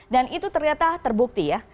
dan itu ternyata terbukti ya